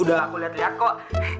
udah aku liat liat kok